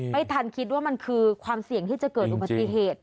ไม่ทันคิดว่ามันคือความเสี่ยงที่จะเกิดอุบัติเหตุ